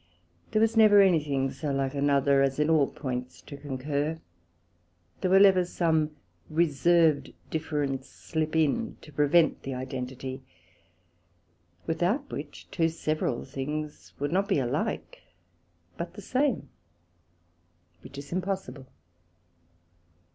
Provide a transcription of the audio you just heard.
There was never any thing so like another, as in all points to concur; there will ever some reserved difference slip in, to prevent the identity, without which, two several things would not be alike, but the same, which is impossible.